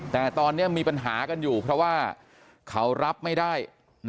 แต่ตอนนี้มีปัญหากันอยู่เพราะว่าเขารับไม่ได้